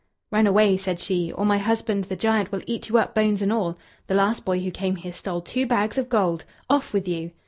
"Run away," said she, "or my husband the giant will eat you up, bones and all. The last boy who came here stole two bags of gold off with you!"